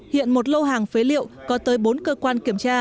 hiện một lâu hàng phế liệu có tới bốn cơ quan